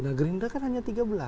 nah gerindra kan hanya tiga belas